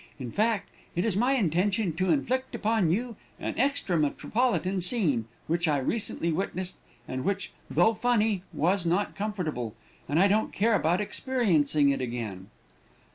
In fact, it is my intention to inflict upon you an extra metropolitan scene, which I recently witnessed, and which, though funny, was not comfortable, and I don't care about experiencing it again."